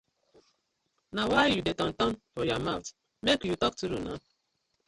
Na why yu dey turn turn for yah mouth, make yu talk true naw.